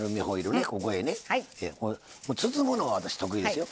包むのは私得意ですよ。